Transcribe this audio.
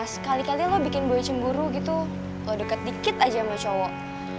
sekali kali lo bikin boy cemburu gitu lo deket dikit aja sama cowok